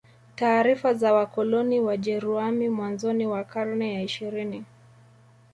Taarifa za wakoloni Wajeruami mwanzoni wa karne ya ishirini